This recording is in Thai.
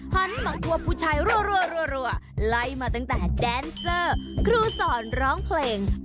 หันมาควบผู้ชายรัวไล่มาตั้งแต่แดนเซอร์ครูสอนร้องเพลง